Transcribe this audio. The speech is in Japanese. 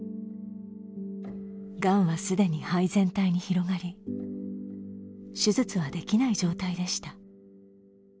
がんはすでに肺全体に広がり手術はできない状態でした。